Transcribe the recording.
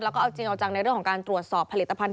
แล้วก็เอาจริงเอาจังในเรื่องของการตรวจสอบผลิตภัณฑ